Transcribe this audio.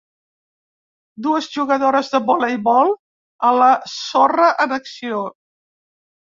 Dues jugadores de voleibol a la sorra en acció.